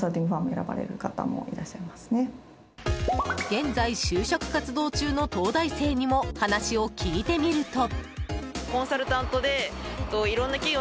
現在、就職活動中の東大生にも話を聞いてみると。